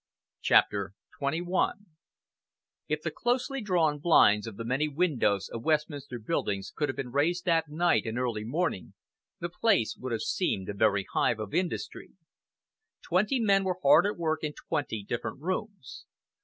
CHAPTER XXI If the closely drawn blinds of the many windows of Westminster Buildings could have been raised that night and early morning, the place would have seemed a very hive of industry. Twenty men were hard at work in twenty different rooms.